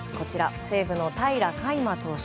西武の平良海馬投手。